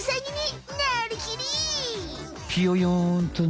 ピヨヨンとな。